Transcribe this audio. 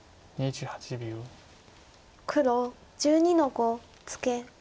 黒１２の五ツケ。